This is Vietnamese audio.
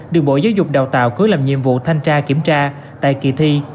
được bộ giáo dục đào tạo cứ làm nhiệm vụ thanh tra kiểm tra tại kỳ thi